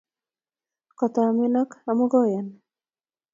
koto omenok omu koyan